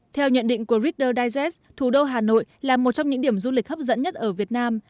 theo nhận định của reader digest thủ đô hà nội là một trong những điểm du lịch hấp dẫn nhất ở việt nam